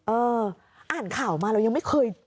เอออ่านข่าวมาเรายังไม่เคย